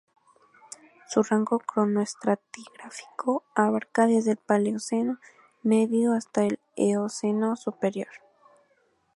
Su rango cronoestratigráfico abarca desde el Paleoceno medio hasta el Eoceno superior.